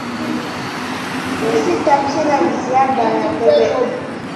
Nizi tap slèna vizi dara kep.